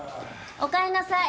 おかえりなさい。